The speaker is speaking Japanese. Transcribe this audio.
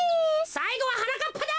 さいごははなかっぱだ！